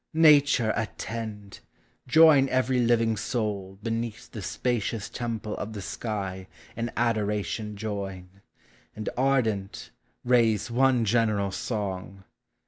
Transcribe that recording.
Nature, attend! join every living soul, Beneath the spacious temple of the sky. In adoration join; and, ardent, raise One general song!